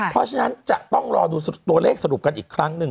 เพราะฉะนั้นจะต้องรอดูตัวเลขสรุปกันอีกครั้งหนึ่ง